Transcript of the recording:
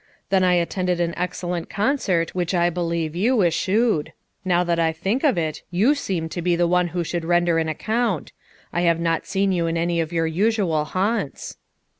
Then I At tended an excellent concert which I believe you eschewed. Now that I think of it, you seem to be the one who should render an ac count: I have not seen vou in anv of vour usual haunts."